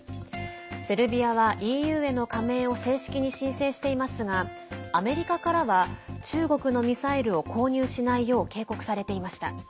セルビアはＥＵへの加盟を正式に申請していますがアメリカからは中国のミサイルを購入しないよう警告されていました。